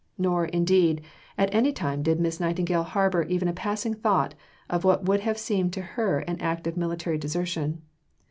Nor, indeed, at any time did Miss Nightingale harbour even a passing thought of what would have seemed to her an act of military desertion.